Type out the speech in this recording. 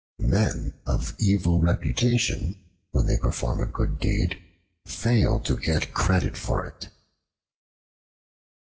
Men of evil reputation, when they perform a good deed, fail to get credit for it.